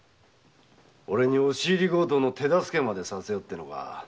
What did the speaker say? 俺に押し入り強盗の手助けまでさせようってのか。